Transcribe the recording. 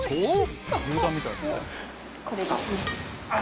とこれですね。